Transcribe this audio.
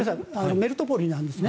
メルトポリなんですね。